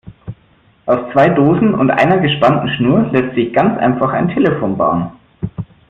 Aus zwei Dosen und einer gespannten Schnur lässt sich ganz einfach ein Telefon bauen.